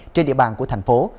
trên địa bàn của thành phố